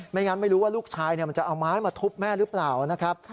งั้นไม่รู้ว่าลูกชายมันจะเอาไม้มาทุบแม่หรือเปล่านะครับ